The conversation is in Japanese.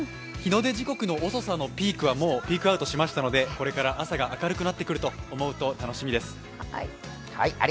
日の出時刻の遅さのピークはもうピークアウトしましたのでこれから朝が明るくなってくると思うと、楽しみです。